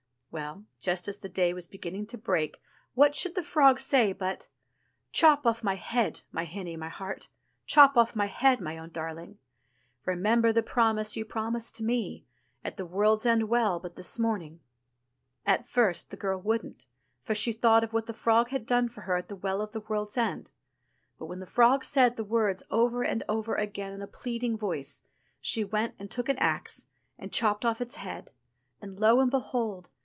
Well, just as the day was beginning to break what should the frog say but : THE WELL OF THE WORLD'S END 355 "Chop off my head, my hinny, my heart, Chop off my head, my own darhng; Remember the promise you promised to me, At the World's End Well but this morning," At first the girl wouldn't, for she thought of what the frog had done for her at the Well of the World's End. But when the frog said the words over and over again in a pleading voice, she went and took an axe and chopped off its head, and lo, and behold